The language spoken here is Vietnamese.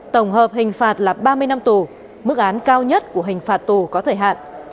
tổng hợp hình phạt là ba mươi năm tù mức án cao nhất của hình phạt tù có thời hạn